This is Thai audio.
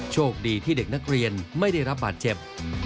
โชคดีที่เด็กนักเรียนไม่ได้รับบาดเจ็บ